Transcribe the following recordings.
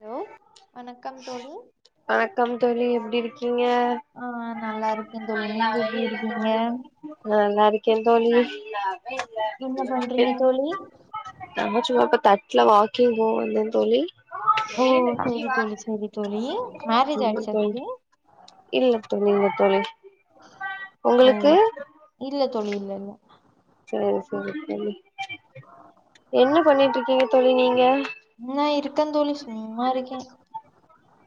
Hello வணக்கம் தோழி வணக்கம் தோழி எப்டி இருக்கீங்க ஆ நல்லா இருக்கே தோழி நீங்க எப்டி இருக்கீங்க நா நல்லாருக்கே தோழி நா என்ன வந்து பண்றீங்க தோழி சும்மா இப்ப தட்ல வாக்கிங் போயிருந்தே தோழி ஓ செரி தோழி செரி தோழி மேரேஜ் ஆயிடுச்சா தோழி இல்ல தோழி இல்ல தோழி ஓ உங்களுக்கு இல்ல தோழி இல்ல இல்ல செரி செரி செரி என்ன பண்ணிட்ருக்கீங்க தோழி நீங்க நா இருக்க தோழி சும்மா இருக்கே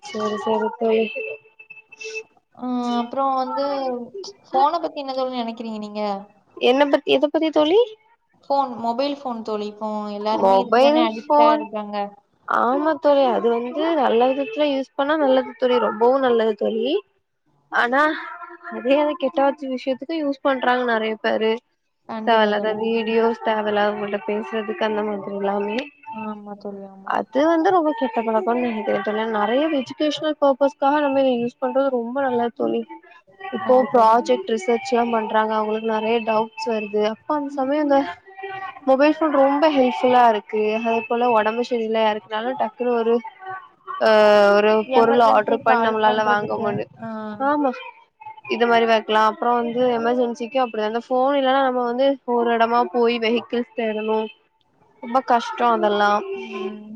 செரி செரி தோழி ஆ அப்றோ வந்து ஃபோனப் பத்தி என்ன தோழி நெனைக்கிறீங்க நீங்க என்ன பத்தி எதப் பத்தி தோழி ஃபோன் மொபைல் ஃபோன் தோழி இப்போ எல்லாருமே மொபைல் இதுக்குதானே அடிக்டா ஃபோன் இருக்காங்க ஆமா தோழி அது வந்து நல்ல விதத்துல யூஸ் பண்ணா நல்லது தோழி ரொம்பவு நல்லது தோழி ஆனா அதேது கெட்ட வச்சு விஷ்யத்துக்கு யூஸ் பண்றாங்க நெறைய பேரு தேவ கண்டிப்பா இல்லாத தோழி கண்டிப்பா. வீடியோஸ் தேவல்லாதவுங்கள்ட பேசுறதுக்கு அந்த மாரி எல்லாமே ஆமா தோழி ஆ அது வந்து ரொம்ப கெட் இப்ப நம்ம கொழந்தைங்க கிட்ட இருக்க நெறைய எஜுகேஷனல் பர்பஸ்க்காக நம்ம இத யூஸ் பண்றது ரொம்ப நல்லது தோழி இப்போ கண்டிப்பா தோழி ப்ராஜெக்ட்டு ரிஸ் சர்ச்செல்லா பண்றாங்க அவங்களுக்கு நெறைய டவுட்ஸ் வருது அப்ப அந்த சமயோ அந்த மொபைல் ஃபோன் ரொம்ப ஹெல்ப்ஃபுல்லா இருக்கு அதே போல ஒடம்பு இல்ல யாருக்குனாலும் டக்குனு ஒரு ஆ ஒரு பொருள் எமர்ஜென்சி ஆர்டர் பண்ணி கால் நம்மளால வாங்க பண்றதுக்கு முடு ஆ இத மாதிரி வக்கலாம் அப்றோ வந்து எமர்ஜென்சிக்கு அப்டி வந்து ஃபோன் இல்லன்னா நம்ம வந்து ஒரு எடமா போயி வெஹிக்கிள்ஸ் தேடணு ரொம்ப கஷ்டோ அதெல்லா ம்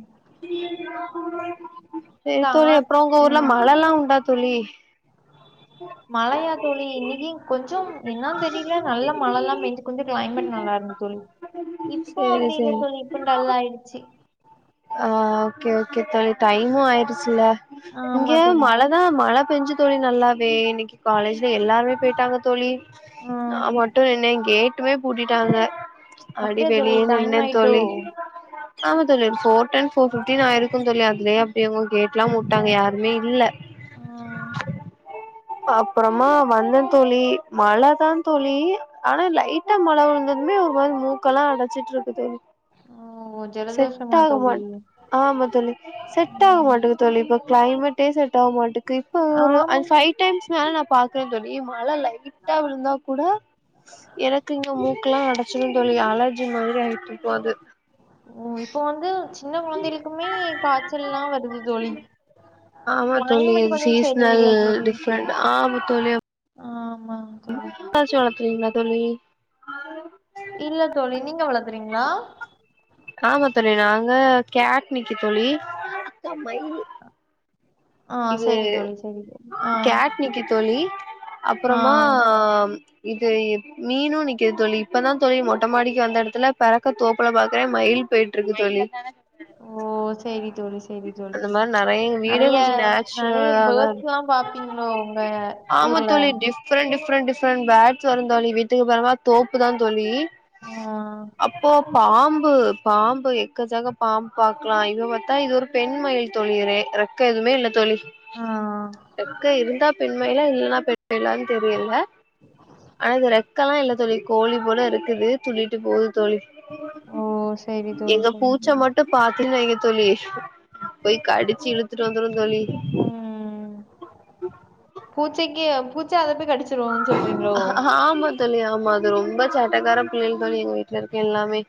இந்த செரித் தோழி ஆ அப்றோ உங்க ஊர்ல ம் மழல்லா உண்டா தோழி மழையா தோழி இன்னக்கி கொஞ்சோம் என்னான்னு தெரியில நல்ல மழல்லா பெஞ்சு கொஞ்சோ கிளைமேட் நல்லா இருந்துச் ழி இப்போ சேரி அப்பிடி இல்ல சேரி தோழி இப்ப டல்லா ஆயிடுச்சு ஆ ஓகே ஓகே தோழி டைமும் ஆயிருச்சுல்ல ஆமா இங்கேயு தோழி மழ ன்னா மழ பெஞ்சு தோழி நல்லாவே இன்னக்கி காலேஜ்ல எல்லாருமே போயிட்டாங்க தோழி நா ஆஹ் மட்டும் நின்னே கேட்டுமே பூட்டிட்டாங்க அடி அப்படியா தோழி வெளியே டைம் நின்னே ஆயிட்டோ தோழி ஆமா தோழி ஃபோர் டென் ஃபோர் ஃபிப்டீன் ஆயிருக்கும் தோழி அதுலயே அப்பிடி அவுங்க கேட்ல்லா மூடிட்டாங்க யாருமே இல்ல ஆஹ் அப்பறமா வந்தே தோழி மழ தா தோழி ஆனா லைட்டா மழ விழுந்ததுமே ஒரு மாரி மூக்கெல்லா அடச்சிட்டு இருக்கு தோழி ஓ செட் ஜலதோஷமா ஆக தோழி மாட் ஆமா தோழி செட் ஆக உம் மாட்டிக்கு தோழி இப்போ கிளைமேட்டே செட் ஆக மாட்டிக்கு இப்ப ஒரு ஆமா அஞ் ஃபைவ் டைம்ஸ் ஸா நா பாக்குறே தோழி மழ லைட்டா விழுந்தா கூட எனக்கு இங்க மூக்குல்லா அடச்சுடும் தோழி அலர்ஜி மாரி ஆயிருக்கும் இப்போ அது ஓ இப்போ வந்து சின்ன கொழந்தைகளுக்குமே காய்ச்சல்லா வருது தோழி ஆமா தோழி இது கொஞ்சம் சீசனல் சரியில்லை தோழி டிஃப்ரெண்ட் ஆமா தோழி ய ஆமா தோழி பெட்டாச்சும் வளக்குறீங்களா தோழி இல்ல தோழி நீங்க வளக்குறீங்களா ஆமா தோழி நாங்க காட் நிக்கி தோழி ஆ இது சரி தோழி சரி தோழி ஆ கேட்னிக்கி தோழி அப்புறமா ஆ இது மீனும் நிக்குது தோழி இப்பதா தோழி மொட்டமாடிக்கு வந்த எடத்துல பறக்க தோப்புல பாக்குறே மயில் போயி ட்டுருக்கு தோழி ஓ செரி தோழி செரி தோழி அந்த மாரி நெறைய எங்க வீடே நெறைய கொஞ்சோ நெறைய நேச்சுரலாதா இருக்கு பேட்ஸ்ல பாப்பீங்ளோ ஒங்க ஆமா தோழி டிஃப் டிஃபரெண்ட் டிஃபரெண்ட் டிஃபரெண்ட பேட்ஸ் வரு தோழி வீட்டுக்கு பறமா தோப்பு தா தோழி ஆ அப் இப்போ பாம்பு பாம்பு எக்க சக்க பாம்பு பாக்லா இவ் பத்தா இது ஒரு பெண் மயில் தோழி ரெக்க எதுவுமே இல்ல தோழி ஆ ரெக்க இருந்தா பெண் மயிலா இல்லன்னா பெண் மயிலான் தெரியல ஆனா இது ரெக்கலா இல்ல தோழி கோழி போல இருக்குது துள்ளிட்டு போது தோழி ஓ சரி தோழி எங்க சரி பூச்ச தோழி மட்டு பாத்துது வைங்க தோழி பேய் கடிச்சு இழுத்துட்டு வந்துரு தோழி ம் பூச்சைக்கு பூச்சா அதப்போய் கடிச் அ அ ஆமா தோழி ஆமா அது ரொம்ப சேட்டக்கார பிள்ளைங் தோழி எங்க வீட்ல இருக்க எல்லாமே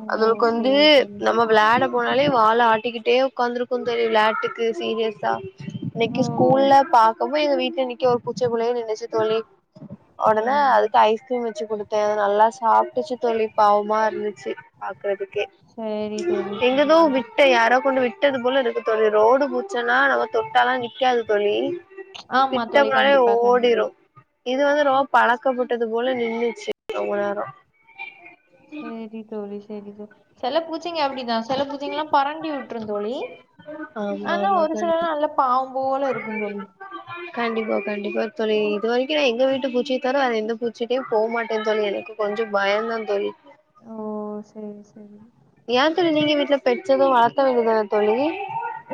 ஓ அதுவோக்கு வந்து சரி தோழி நம்ம வ்ளாட போனாலே வால ஆட்டிக்கிட்டே உக்காந்திருக்கு தோழி வ்ளாட்டுக்கு சீரியஸ்சா இன்னைக்கு ஓ ஸ்கூல்ல பாக்கபோ எங்க வீட்ல நிக்க ஒரு பூச்ச போலயே நின்னுச்சு தோழி ஒடன ம் அதுக்கு ஐஸ்க்ரீம் வச்சி குடுத்த அது நல்லா சாப்டுச்சு தோழி பாவ்மா இருந்துச்சு பாக்றதுக்கே சரி தோழி சரி எங்கதோ தோழி விட்ட யாரோ கொண்டு விட் ட்டது போல இருக்கு தோழி ரோடு பூச்சன்னா நம்ம தொட்டாலா நிக்காது தொழி ஆமா கிட்ட தோழி போனாலே கண்டிப்பா கண்டிப்பா ஓடிரு இது வந்து ரொ பழக்கப்பட்டது போல நின்னுச்சு ரொம்ப நேரோ சேரி தோழி செரி செல பூச்சைங்க அப்டிதா செல பூச்சைங்லா பரண்டி வுட்ரும் தோழி ஆமா ஆமா கண்டிப் பாம்போல இருக்கும் தோழி கண்டிப்பா கண்டிப்பா தொழி இது வரைக்கு எங்க வீட்டு பூச்சைய தவர வேற எந்த பூச்சைடையு போ மாட்ட தோழி எனக்கு கொஞ்சோ பயந்தா தோழி ஓ சேரி சேரி யா தோழி நீங்க வீட்ல பெட்ஸ் எது வளக்க வேண்டியதான தோழி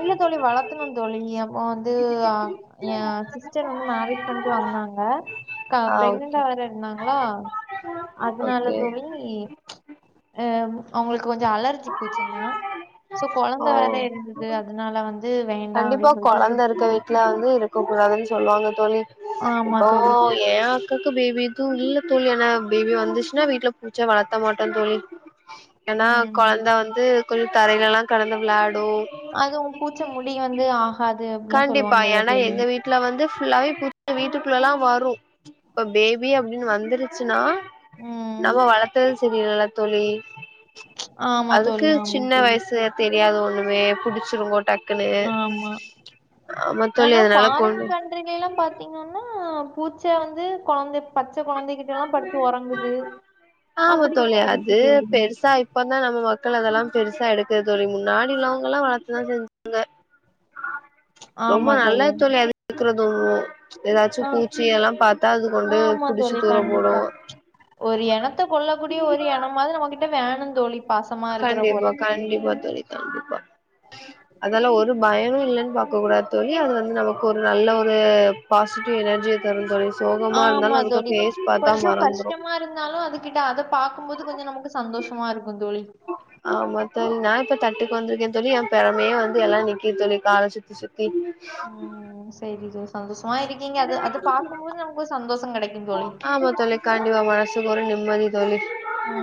இல்ல தோழி வளத்னோம் தோழி அப்போ வந்து அ ய சிஸ்டர் வந்து மேரேஜ் பண்ணிட்டு வந்தாங்க கா ஆ ப்ரெங்னண்டா ஓகே வேற இர்தாங்களா அதனால ஓகே தோழி அ அவ்ங்களுக்கு கொஞ்சோ அலர்ஜி பூச்சன்னா சோ கொழந்த வேற ஓ இர்ந்து து அதனால வந்து வே கண்டிப்பா கொழந்த இருக்க வீட்ல வந்து இருக்க கூடாதுன் சொல்வாங்க தோழி ஆமா இப்போ தோழி ஏ அக்காக்கு பேபி எதுவு இல்ல தோழி அனா பேபி வந்துச்ன்னா வீட்ல பூச்ச வளத்த மாட்டோ தோழி ஏன்னா ம் கொழந்த வந்து குள் தரைலலா கடந்து வ்ளாடு அதுவு பூச்சு முடி வந்து ஆகாது அப்டிலா சொல்லுவாங்கல்ல தோழி ட்ல வந்து ஃபுல்லாவே பூச் வீட்டுக்குள்ளலா வரு இப்ப பேபி அப்டின் வந்துருச்சுன்னா ம் நம்ம வளத்தது சரி இல்லல தோழி ஆமா அதுக்கு தோழி ஆமா ஜின்ன தோழி வயசு தெரியாது ஒண்ணுமே புடிச்சிருங்கோ டக் ஆமா தோழி அனா அதனால ஃபாரின் கொண்டு கன் திருகில்லா பாத்திங்கன்னா பூச்ச வந்து கொழந்த பச்ச கொழந்தகிட்டலா படுத்து ஒறங்குது ஆமா அப்டிலா தோழி இருக்கு அது தோழி பெருசா இப்பதா நம்ம மக்கள் அதெல்லா பெருசா எடுக்ல தோழி முன்னாடி உள்ளவங்கல்லா வளத்ததா செஞ்சாங்க ரொம்ப நல்லத் தோழி அது இக்றதும் ஏதாச்சு ஆ பூச்சி எல்லா பாத்தா அது கொண்டு ஆமா புடிச்சி தோழி. தூர போடு கண்டிப்பா. ஒரு எனத்த கொள்ள கூடிய ஒரு எனம்மாது நம்மகிட்ட வேணும் தோழி பாசமா இருக்கற கண்டிப்பா போல கண்டிப்பா தோழி ஆ அதல்லா ஒரு பயனும் இல்லன்னு பாக்க கூடாது தோழி அது வந்து நமக்கு ஒரு நல்ல ஒரு பாசிட்டிவ் எனர்ஜிய தரு தோழி சோகமாருந்தாலு அதுக ஃபேஸ் பாத்தா மறந்துரு னா இருந்தாலு அதுகிட்ட அத பாக்கும்போது கொஞ்சோ நமக்கு சந்தோஷமாருக்கு தோழி ஆமா தோழி நா இப்ப தட்டுக்கு வந்திருக்கே தோழி எ பெறமயே வந்து எல்லா நிக்கிது தோழி கால சுத்தி சுத்தி ம் செரி தோ சந்தோஷமா இருக்கீங்க அது அது பாக்கும்போது நமக்கு ஒரு சந்தோஷோ கெடைக்குங் தோழி ஆமா தோழி கண்டிப்பா மனசுக்கு ஒரு நிம்மதி தோழி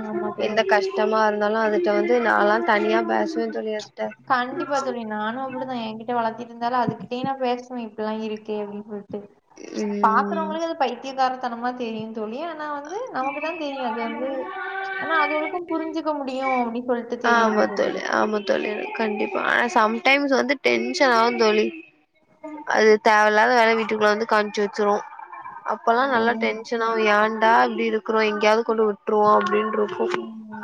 ஆமா தோழி. எந்த கஷ் டமா இருந்தாலு அதுட்ட வந்து நாலா தனியா பேசுவே தோழி அதுட்ட கண்டிப்பா தோழி நானு அப்டிதா எ கிட்ட வளத்திட்ருந்தேல அதுகிட்டயு நா பேசுவே இப்பில்லா இருக்கு அப்டின் சொல்ட்டு ம் பாக்குறோங்களுக்கு அது பைத்தியகாரத்தனமா தெரியு தோழி ஆ னா வந்து நமக்கு தா தெரியு அது வந்து ஆனா அதுகளுக்கு புரிஞ்சுக்க முடியு அப்டின் சொல் ஆமா தோழி ஆமா தோழி கண்டிப்பா ஆனா சம்டைம்ஸ் வந்து டென்ஷன்னாவு தோழி அது தேவயில்லாத வேல வீட்டுக்குள்ள வந்து காம்ச்சு வச்சுரு அப்பல்லா நல்லா டென்ஷனாவு ஏன்டா இப்டி இருக்றோ எங்கேயாது கொண்டு விட்ருவோ அப்டின்ட்ருக்கு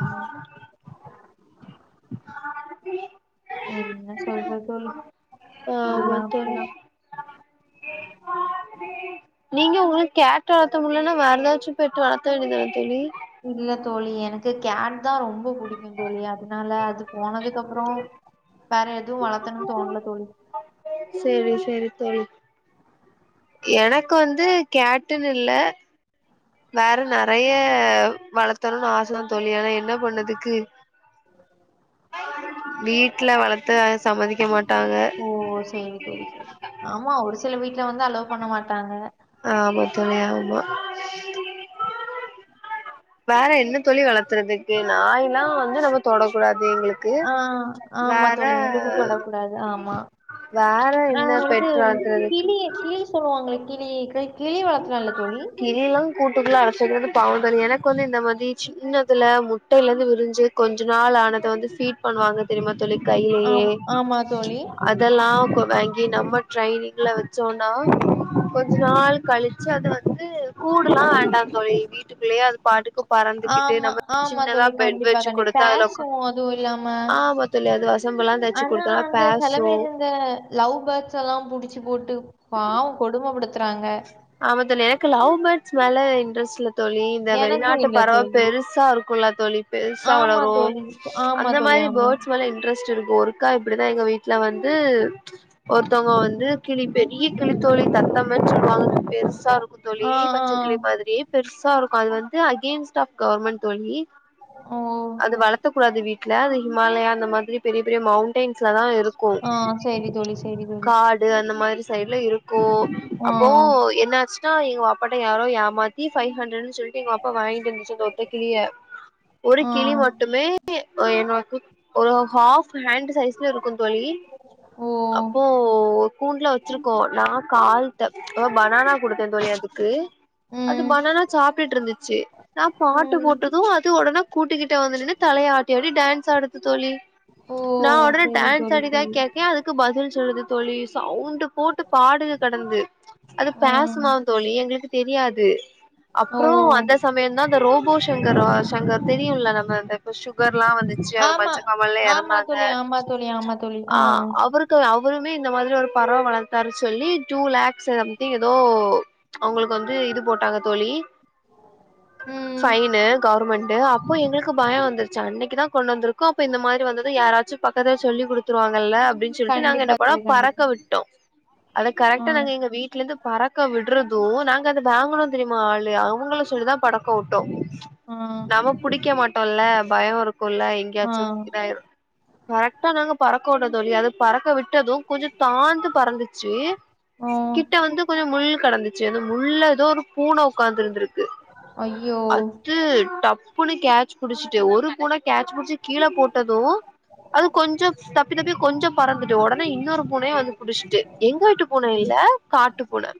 ஆ என்ன சொல்றது தோழி ஆமா எல்லா தோழி அப்படிதா நீங்க உங்களுக்கு கேட்டு வளத்த முட்லன்னா வேறதாச்சு பெட்டு வளத்த வேண்டிதானே தோழி இல்ல தோழி எனக்கு கேட் தா ரொம்ப புடிக்கு தோழி அதுனால அது போனதுக்கப்றோ வேற எதுவு வளத்தனுன் தோனல தோழி சேரி சேரி தோழி எனக்கு வந்து கேட்டுன் இல்ல வேற நறைய வளத்தனுன் ஆச தா தோழி ஆனா என்ன பண்ணதுக்கு வீட்ல வளத்த சம்மதிக்க மாட்டாங்க ஓ சேரி சேரி ஆமா ஒரு சில வீட்ல வந்து அலோவ் பண்ண மாட்டாங்க ஆமா தோழி ஆமா வேற என்ன தோழி வளத்துறதுக்கு நாய்லா வந்து நம்ம தொடக்கூடாது எங்ளு ஆ ஆமா தோழி எங்ளுக்கு தொட கூடாது ஆமா வேற ஆ என்ன இது பெட் வளத்துறதுக்கு கிளி கிளி சொல்வாங்ள கிளி க் கிளி வளத்லால்ல தோழி கிளிலா கூட்டுக்குள்ள அடச்சது வந்து பாவோ தரு எனக்கு வந்து இந்த மாதி சின்னதுல முட்டைலந்து விரிஞ்சு கொஞ்ச நாள் ஆனத வந்து ஃபீட் பண்ணுவாங்க தெரிமா தோழி கைலயே ஆம் ஆமா தோழி. அ தெல்லா கொ வாங்கி நம்ம ட்ரைனிங்ல வச்சோனா கொஞ்ச நாள் கழிச்சு அத வந்து கூடுலா வேண்டா தோழி வீட்டுக்குள்ளயே அது பாட்டுக்கு பறந்துகிட்டு ஆமா, நம்ம ஆமா சின்னதா தோழி. பெட் கண்டிப்பா, வச்சு கண்டிப்பா. குடுத்தா அதுல ஒக்கா பேர்ஸும் அதுவும் இல்லாம ஆமா தோழி அது வசம்புல்லா தேச்சு ஆனா குடுத்தோன்னா அந்த சில பேசு பேர் இந்த லவ் பேர்ட்ஸ்ஸெல்லா புடிச்சி போட்டு பாவோ கொடுமப்படுத்துறாங்க ஆமா தோழி எனக்கு லவ் பேர்ட்ஸ் மேல இன்ட்ரெஸ்ட்ல்ல தோழி இந்த எனக்கும் வெள்நாட்டு இல்ல பறவ தோழி. பெருசாருக்குலா தோழி பெருசா ஆமா வளரு தோழி. ஆமா அந்த தோழி, மாரி ஆமா. பேர்ட்ஸ் மேல இன்ட்ரெஸ்ட் இருக்கு ஒருக்கா இப்டிதா எங்க வீட்ல வந்து ஒருத்தோங்க வந்து கிளி பெரிய கிளித்தோழி தத்தமன் சொல்வாங்க பெருசாரு க்கு தோழி ஆ, ஆ. பச்சக்கிளி மாதிரி பெருசாருக்கு அது வந்து அகெய்ன்ஸ்டாஃப் கவுர்மென்ட் தோழி ஓ! அது வளத்த கூடாது வீ ட்ல அது ஹிமாலயா அந்த மாதிரி பெரிய பெரிய மவுன்டைன்ஸ்ல தா இரு க்கு ஆ சரி தோழி, சரி தோழி. காடு அந்த மாரி சைட்ல இருக்கு ஆ, அப்போ என்னாச்ன்னா எங்க வாப்பாட்ட யாரோ ஏமாத்தி ஃபைவ் ஹண்ட்ரட்னு சொல் என்க அப்பா வாங்கிட்டு இருந்துச்சு அந்த ஒத்த கிளிய ஒரு ஆ. கிளி மட் டுமே என்னோடது ஒரு ஆஃப் ஹேண்ட் சைஸ்கு இருக்கும் தோழி ஓ! அப்போ கூண்டுல வச்சிருக்கோ நான் கால்ட பனானா குடுத்தே தோழி அதுக்கு அது ம், பனானா சாப்டுட்டு இருந்துச்சு நான் பாட்டு ம். போட்டதும் அது ஒடனே கூட்டுக்கிட்ட வந்து நின்னு தலய ஆட்டி ஆட்டி டேன்ஸ் ஆடுது தோழி ஓ! நான் ஒடனே சரி டேன்ஸ் தோழி, ஆடிதா சரி. கேக்கே அது க்கு பதில் சொல்லுது தோழி சவுண்ட்டு போட்டு பாடுது கெடந்து அது ம். பேசுமா தோழி எங்ளுக்கு தெரியாது ஓ! அப்பறம் அந்த சமயந்தா இந்த ரோபோ சங்கர் சங்கர் தெரியும்ல நம்ம அந்த சுகர் எல்லாம் வந்துச்சு அவரு ஆமா. மஞ்ச காமலைல ஆமா இறந்தாங்க தோழி, ஆமா தோழி, ஆமா தோழி. ஆ அவரு க்கு அவருமே இந்த மாதிரி ஒரு பறவை வளத்தாரு சொல்லி டூ லேக்ஸ் சம்திங் எதோ அவுங்களுக்கு வந்து இது போட்டாங்க தோழி ம். பைனு கவர்மெண்டு அப்போ எங்களுக்கு பயம் வந்துருச்சு அன்னைக்குதா கொண்டு வந்துரு க்கோம் அப்ப இந்த மாதிரி வந்தத யாராச்சும் பக்கத்துல சொல்லி குடு த்துருவாங்கல்ல அப்படின்னு சொல்லிட்டு நாங்க என்ன கண்டிப்பா பண்ணோ தோழி, பறக்க கண்டிப்பா. விட்டோம் அது ஆ, கரெக்டா நாங்க எங்க வீ ட்ல இருந்து பறக்க விட்றதும் நாங்க அதை வாங்கணோ தெரியுமா ஆளு அவங்கள சொல்லிதா பறக்க வுட்டோ ஆ நம்ம புடிக்க மாட்டோம்ல்ல பயம் இருக்குல்ல ஆ. எங்கயாச்சு இதாயிரு கரெக்டா நாங்க பறக்க விட்டுறோ தோழி அது பறக்க விட்டதும் கொஞ்சொ தாழ்ந்து பறந்துச்சு ஆ உள்ள வந்து கொஞ்சொ முள் கடந்துச்சு அந்த முள்ள எதோ ஒரு பூனை உக்காந்திருந்திருக்கு ஐயோ! அ து டப்புன்னு கேட்ச் புடிச்சுட்டு ஒரு பூனை கேட்ச் புடிச் கீழ போட்டதும் அது கொஞ்சொ தப்பி தப்பி கொஞ்சம் பறந்துட்டு ஒடனே இன்னொரு பூனையும் வந்து புடிச்சுட்டு எங்க வீட்டு பூனை இல்ல காட்டு பூனை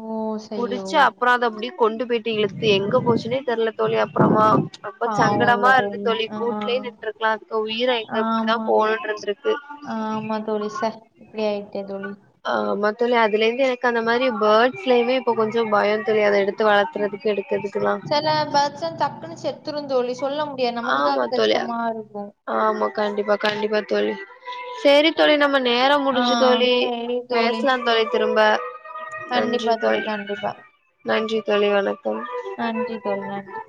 ஓ! சய்யோ! புடிச்சு அப்பறம் அத அப்படி கொண்டு போயிட்டு இலுத்துட்டு எங்க போச்சுனே தெரியல தோழி அப்பறமா ரொம்ப பாவம் இல்ல சங்கடமா இருந்துச்சு தோழி ஆ. கூட்டுலயே விட்டிருக்கலாம் ஒரு உயிர எங்க இப்படிதான் ஆமா. போகணும்னு இருந்திருக்கு ஆமா தோழி இப்படி ஆயிட்டே தோழி ஆமா தோழி அதுல இருந்து எனக்கு அந்த மாதிரி பேர்ட் சிலயுமே இப்ப கொஞ்சோ பயம் தோழி அத எடுத்து வளர்க்கறதுக்கு எடுக்கிறதுக்கல்லா சில பேர்ட்ஸ் டக்குன்னு செத்துரும் தோழி சொல்ல முடியாது நமக்கு தா ஆமா அது தோழி கஷ்டமா இருக்கு ஆமா கண்டிப்பா கண்டிப்பா தோழி செ ரி தோழி நம்ம நேரம் ஆ, முடிஞ்சு தோழி பேசுலாம் தோழி திரும்ப நன்றி கண்டிப்பா தோழி கண்டிப்பா. நன்றி தோழி வணக்கம் நன்றி தோழி நன்றி